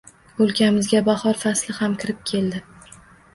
O’lkamizga bahor fasli ham kirib keldi.